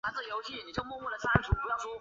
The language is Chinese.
德美关系是指德国和美国间的外交关系。